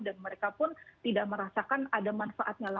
dan mereka pun tidak merasakan ada manfaatnya lagi